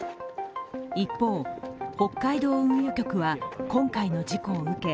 一方、北海道運輸局は今回の事故を受け